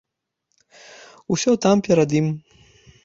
Усё там перад ім.